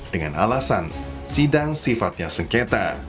dengan alasan sidang sifatnya sengketa